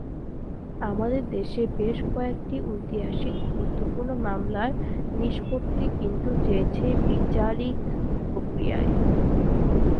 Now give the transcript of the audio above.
আমাদের দেশে বেশ কয়েকটি ঐতিহাসিক গুরুত্বপূর্ণ মামলার নিষ্পত্তি কিন্তু হয়েছে বিচারিক প্রক্রিয়ায়।